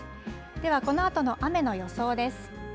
ではこのあとの雨の予想です。